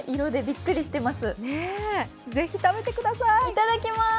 いただきまーす。